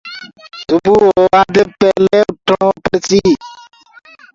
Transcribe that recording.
سبو هووآ دي پيلي اُٺڻو پڙسيٚ